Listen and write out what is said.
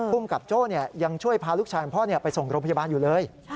ภูมิกับโจ้ยังช่วยพาลูกชายของพ่อไปส่งโรงพยาบาลอยู่เลย